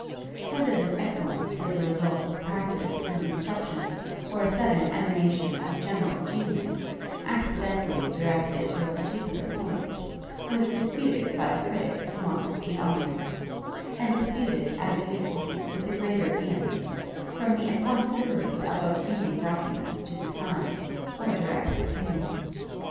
Whether this excellence were the result of practice and instruction, or a sudden emanation of general genius, accidentally directed to a particular point, was disputed by the critics amongst the audience; and disputed, as usual, with the greater vehemence, from the impossibility of obtaining documents to decide, or direct opinion.